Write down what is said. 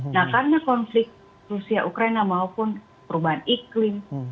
nah karena konflik rusia ukraina maupun perubahan iklim